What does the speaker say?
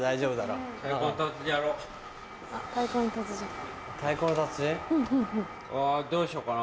うわどうしようかな。